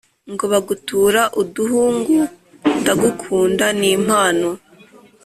Ngo bagutura uduhungu, ndagukunda ni impamo